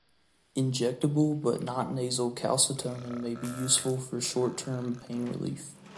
Injectable but not nasal calcitonin may be useful for short term pain relief.